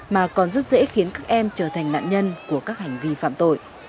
mà còn rất dễ khiến các em trở thành nạn nhân của các hành vi phạm tội